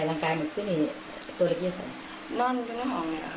นอนอยู่ในห้องนี่อะค่ะนอนดินอยู่ในเย็บไนะ